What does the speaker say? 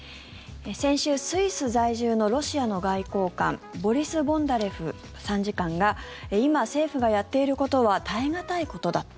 先週スイス在住のロシアの外交官ボリス・ボンダレフ参事官が今、政府がやっていることは耐え難いことだ